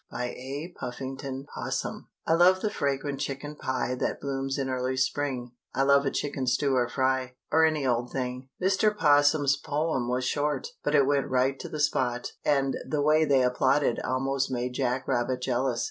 BY A. PUFFINGTON 'POSSUM. I love the fragrant chicken pie That blooms in early spring; I love a chicken stew or fry, Or any old thing. Mr. 'Possum's poem was short, but it went right to the spot, and the way they applauded almost made Jack Rabbit jealous.